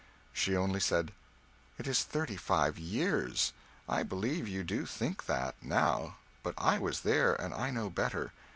She only said "It is thirty five years. I believe you do think that, now, but I was there, and I know better.